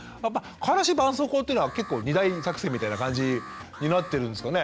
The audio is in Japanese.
からしばんそうこうっていうのは結構二大作戦みたいな感じになってるんですかね？